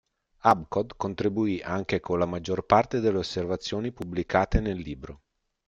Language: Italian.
Abbot contribuì anche con la maggior parte delle osservazioni pubblicate nel libro.